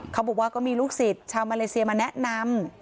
เขาบอกว่าก็มีลูกศิษย์ชาวมาเลเซียมาแนะนำ